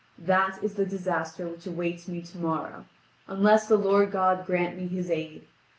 That is the disaster which awaits me to morrow, unless the Lord God grant me His aid.